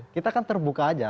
kita kan terbuka aja